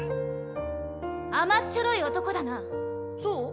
甘っちょろい男だなそう？